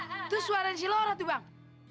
hah itu suara si laura tuh bang